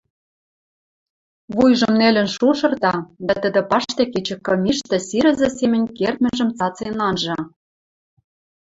вуйжым нелӹн шушырта дӓ тӹдӹ паштек эче кым иштӹ сирӹзӹ семӹнь кердмӹжӹм цацен анжа.